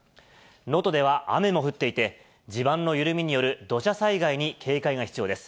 能登では雨も降っていて、地盤の緩みによる土砂災害に警戒が必要です。